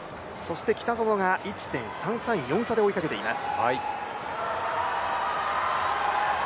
北園が１．３３４差で追いかけています。